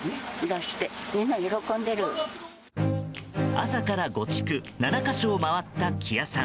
朝から５地区７か所を回った木谷さん。